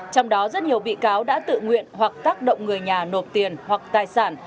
trong đó rất nhiều bị cáo đã tự nguyện hoặc tác động người nhà nộp tiền hoặc tài sản